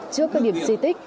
trước các điểm di tích